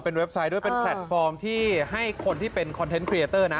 เว็บไซต์ด้วยเป็นแพลตฟอร์มที่ให้คนที่เป็นคอนเทนต์เคลียร์เตอร์นะ